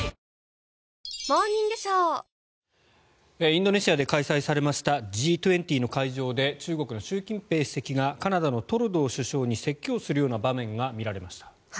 インドネシアで開催されましたＧ２０の会場で中国の習近平主席がカナダのトルドー首相に説教するような場面が見られました。